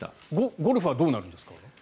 ゴルフはどうなるんですか？